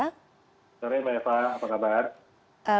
selamat sore mbak eva apa kabar